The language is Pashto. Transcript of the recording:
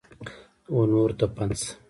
ونورو ته پند شه !